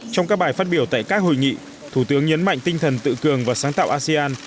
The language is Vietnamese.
trong các bài phát biểu tại các hội nghị thủ tướng nhấn mạnh tinh thần tự cường và sáng tạo asean